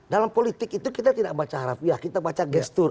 dalam politik itu kita tidak baca harafiah kita baca gestur